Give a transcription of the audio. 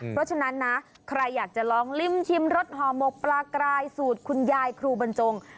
เพราะฉะนั้นนะใครอยากจะลองลิ้มชิมรสห่อหมกปลากรายสูตรคุณยายครูบรรจง